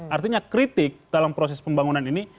artinya kritik dalam proses pembangunan ini